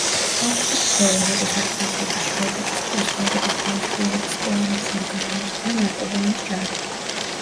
ხალხთა ბრძოლა, როდესაც რუსების, შვედების, პრუსიელების და ავსტრიელების კოალიციამ გაანადგურა ნაპოლეონის ჯარი.